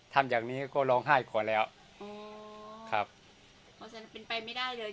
ทำอย่างนี้ก็ร้องไห้ขอแล้วอ๋อครับเพราะฉะนั้นเป็นไปไม่ได้เลย